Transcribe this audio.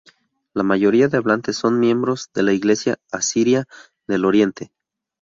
La mayoría de hablantes son miembros de la Iglesia asiria del Oriente.